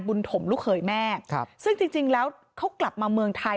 ถมลูกเขยแม่ครับซึ่งจริงแล้วเขากลับมาเมืองไทย